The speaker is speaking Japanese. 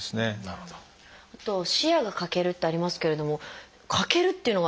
あと「視野が欠ける」ってありますけれども「欠ける」っていうのが。